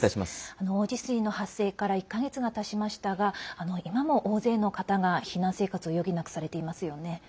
大地震の発生から１か月がたちましたが今も大勢の方が、避難生活を余儀なくされていますよね。